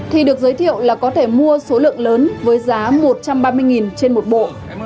thì được giới thiệu là có thể mua số lượng lớn với giá một trăm ba mươi trên một bộ